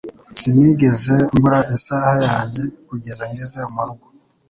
Sinigeze mbura isaha yanjye kugeza ngeze murugo